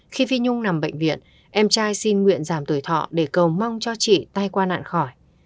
khi phi nhung nằm bệnh viện em trai xin nguyện giảm tuổi thọ để cầu mong cho chị tai qua nạn khỏi